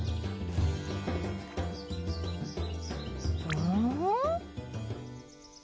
うん？